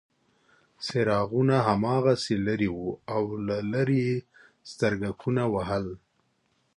څراغونه هماغسې لرې وو او له لرې یې سترګکونه وهل.